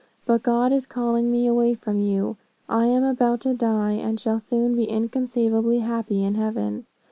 But God is calling me away from you. I am about to die, and shall soon be inconceivably happy in heaven.